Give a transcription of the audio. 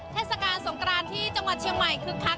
เทศกาลสงกรานที่จังหวัดเชียงใหม่คึกคัก